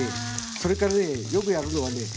それからねよくやるのはね